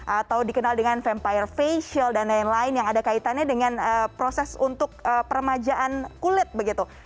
atau dikenal dengan vampire facial dan lain lain yang ada kaitannya dengan proses untuk peremajaan kulit begitu